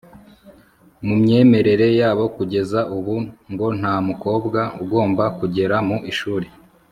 mu myemerere yabo kugeza ubu ngo nta mukobwa ugomba kugera mu ishuri